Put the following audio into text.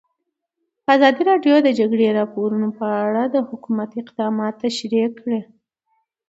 ازادي راډیو د د جګړې راپورونه په اړه د حکومت اقدامات تشریح کړي.